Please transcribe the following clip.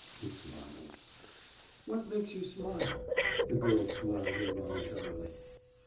He smiled. »What makes you smile?« The girl smiled involuntarily.